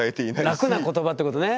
楽な言葉ってことね。